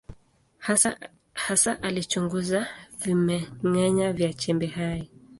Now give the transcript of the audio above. Hasa alichunguza vimeng’enya vya chembe hai.